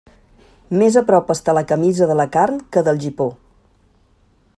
Més a prop està la camisa de la carn que del gipó.